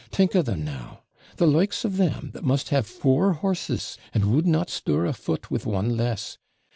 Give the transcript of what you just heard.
Think of them, now! The likes of them, that must have four horses, and would not stir a foot with one less!